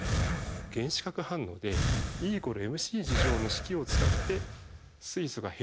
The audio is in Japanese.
原子核反応でＥ＝ｍｃの式を使って水素がヘリウムになってる。